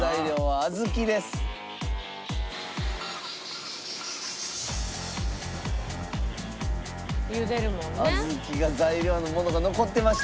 小豆が材料のものが残ってました。